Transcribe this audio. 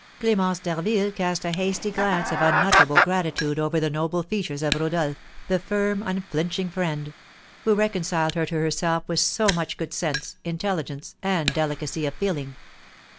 Clémence d'Harville cast a hasty glance of unutterable gratitude over the noble features of Rodolph, the firm, unflinching friend, who reconciled her to herself with so much good sense, intelligence, and delicacy of feeling.